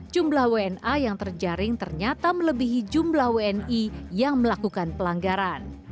jumlah wna yang terjaring ternyata melebihi jumlah wni yang melakukan pelanggaran